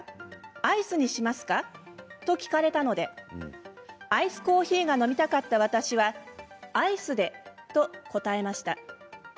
アイスにしますか？」と聞かれたのでアイスコーヒーが飲みたかった私は「アイスで」と答えました。